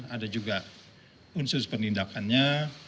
ada juga unsur penindakannya